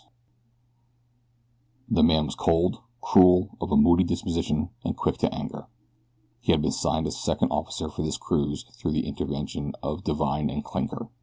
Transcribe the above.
The man was cold, cruel, of a moody disposition, and quick to anger. He had been signed as second officer for this cruise through the intervention of Divine and Clinker.